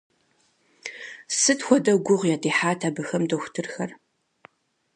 Сыт хуэдэу гугъу ядехьат абыхэм дохутырхэр!